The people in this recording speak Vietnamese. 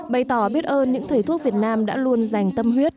bày tỏ biết ơn những thầy thuốc việt nam đã luôn dành tâm huyết